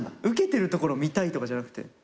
ウケてるところ見たいとかじゃなくて？